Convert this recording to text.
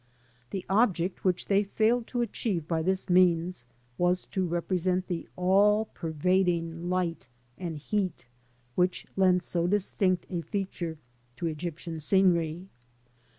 The object which they failed to achieve by this means was to represent the all pervading light and heat, which lend so distinct a feature to Egyptian scenery.